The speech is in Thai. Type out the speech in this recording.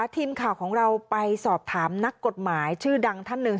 ทีมข่าวของเราไปสอบถามนักกฎหมายชื่อดังท่านหนึ่ง